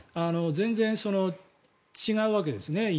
全然、違うわけですね